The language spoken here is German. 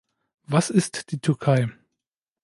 Was ist die Türkei?